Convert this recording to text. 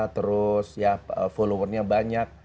terus followersnya banyak